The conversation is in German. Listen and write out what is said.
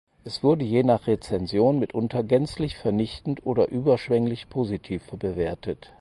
Es wurde je nach Rezension mitunter gänzlich vernichtend oder überschwänglich positiv bewertet.